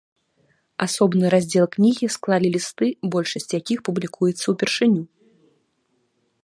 Асобны раздзел кнігі склалі лісты, большасць якіх публікуецца ўпершыню.